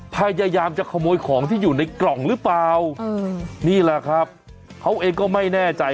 พยายามจะขโมยของที่อยู่ในกล่องหรือเปล่านี่แหละครับเขาเองก็ไม่แน่ใจ